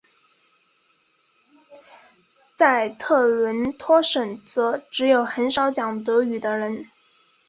在特伦托省则只有很少讲德语的人。